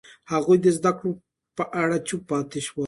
هغوی د زده کړو په اړه چوپ پاتې شول.